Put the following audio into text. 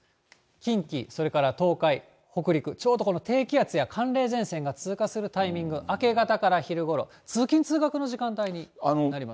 近畿、それから東海、北陸、ちょうどこの低気圧や寒冷前線が通過するタイミング、明け方から昼ごろ、通勤・通学の時間帯になります。